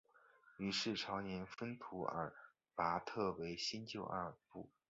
于是清廷分土尔扈特为新旧二部。